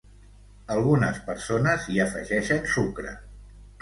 Algunes persones hi afegeixen sucre.